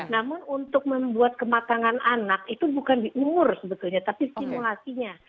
namun untuk membuat kematangan anak itu bukan di umur sebetulnya tapi simulasinya